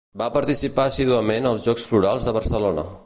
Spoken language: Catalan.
Va participar assíduament als Jocs Florals de Barcelona.